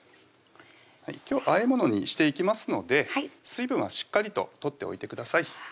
今日和え物にしていきますので水分はしっかりと取っておいてください